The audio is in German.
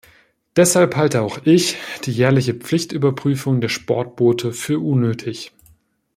Deshalb halte auch ich die jährliche Pflichtüberprüfung der Sportboote für unnötig.